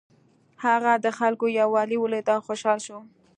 هغه د خلکو یووالی ولید او خوشحاله شو.